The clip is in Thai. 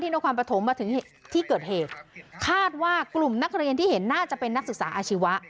นครปฐมมาถึงที่เกิดเหตุคาดว่ากลุ่มนักเรียนที่เห็นน่าจะเป็นนักศึกษาอาชีวะ